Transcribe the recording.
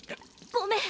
ごめん！